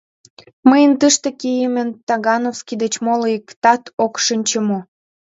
Мыйын тыште кийымем Тагановский деч моло иктат ок шинче мо?..